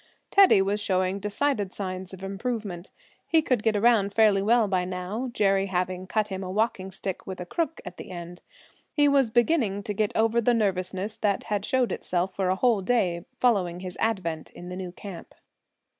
Teddy was showing decided signs of improvement. He could get around fairly well by now, Jerry having cut him a walking stick, with a crook at the end. He was beginning to get over the nervousness that had shown itself for a whole day following his advent in the new camp.